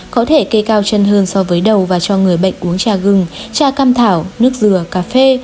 có thể cây cao chân hơn so với đầu và cho người bệnh uống trà gừng cha cam thảo nước dừa cà phê